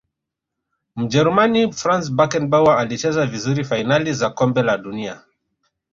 mjerumani franz beckenbauer alicheza vizuri fainali za kombe la dunia